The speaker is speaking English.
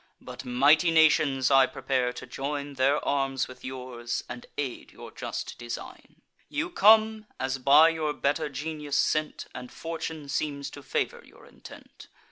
But mighty nations I prepare, to join Their arms with yours, and aid your just design. You come, as by your better genius sent, And fortune seems to favour your intent.